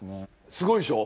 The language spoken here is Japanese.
すごいでしょ？